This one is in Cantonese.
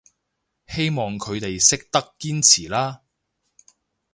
希望佢哋識得堅持啦